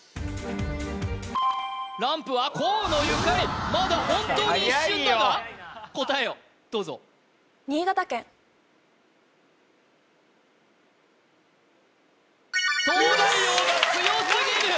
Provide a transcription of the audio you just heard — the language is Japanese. ランプは河野ゆかりまだ本当に一瞬だが答えをどうぞ東大王が強すぎる！